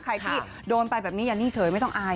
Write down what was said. ใครที่โดนไปแบบนี้อย่านิ่งเฉยไม่ต้องอาย